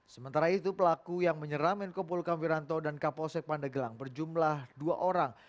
sementara itu pelaku yang menyerang menko polkam wiranto dan kapolsek pandegelang berjumlah dua orang